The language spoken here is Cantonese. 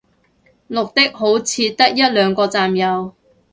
綠的好似得一兩個站有